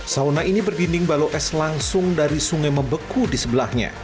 sauna ini berdinding balo es langsung dari sungai membeku di sebelahnya